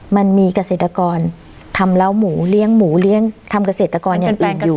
มันมีเกษตรกรทำเล้าหมูเลี้ยงหมูเลี้ยงทำเกษตรกรอย่างอื่นอยู่